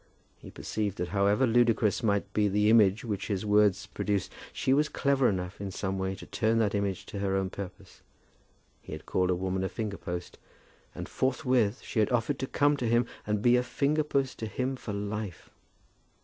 He perceived that however ludicrous might be the image which his words produced, she was clever enough in some way to turn that image to her own purpose. He had called a woman a finger post, and forthwith she had offered to come to him and be finger post to him for life!